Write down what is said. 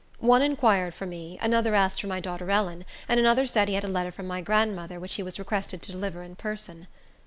One inquired for me, another asked for my daughter Ellen, and another said he had a letter from my grandmother, which he was requested to deliver in person.